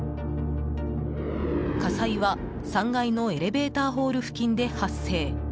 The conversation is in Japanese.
火災は、３階のエレベーターホール付近で発生。